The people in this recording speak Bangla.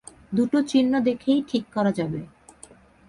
দুটো চিহ্ন দেখেই ঠিক করা যাবে।